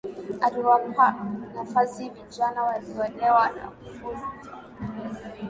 Aliwapa nafasi vijana waliolelewa na kufunzwa